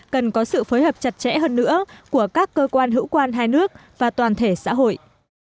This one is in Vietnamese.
cần có sự phối hợp chặt chẽ hơn nữa của các cơ quan hữu quan hai nước và toàn thể xã hội